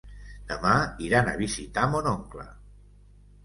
Demà iran a visitar mon oncle.